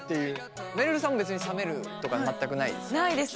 めるるさんも別に冷めるとか全くないですか？